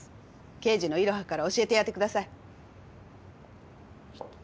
刑事のいろはから教えてやってください。